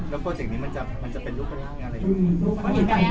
แล้วโปรเจกต์นี้มันจะเป็นลูกภัยห้างอะไร